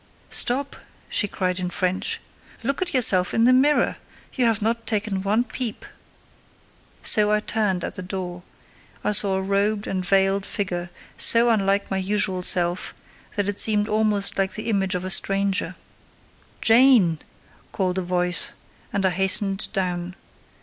"Stop!" she cried in French. "Look at yourself in the mirror: you have not taken one peep." So I turned at the door: I saw a robed and veiled figure, so unlike my usual self that it seemed almost the image of a stranger. "Jane!" called a voice, and I hastened down.